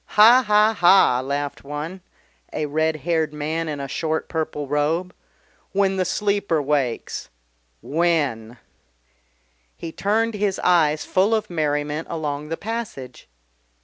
"Ha, ha, ha!" laughed one a red haired man in a short purple robe. "When the Sleeper wakes When!" He turned his eyes full of merriment along the passage.